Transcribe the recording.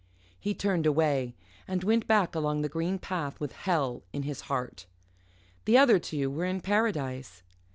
He turned away, and went back along the green path with hell in his heart. The other two were in Paradise.